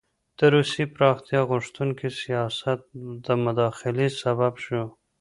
د روسیې پراختیا غوښتونکي سیاست د مداخلې سبب شو.